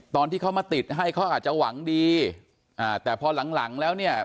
ตอนที่เขามาติดให้เขาอาจจะหวังดีอ่าแต่พอหลังหลังแล้วเนี่ย